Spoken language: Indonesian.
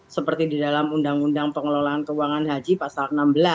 seperti di dalam undang undang pengelolaan keuangan haji pasal enam belas